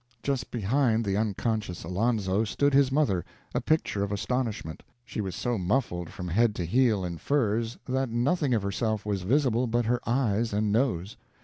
Just behind the unconscious Alonzo stood his mother, a picture of astonishment. She was so muffled from head to heel in furs that nothing of herself was visible but her eyes and nose.